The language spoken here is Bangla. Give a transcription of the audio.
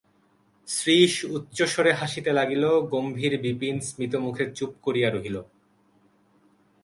শ্রীশ উচ্চস্বরে হাসিতে লাগিল, গম্ভীর বিপিন স্মিতমুখে চুপ করিয়া রহিল।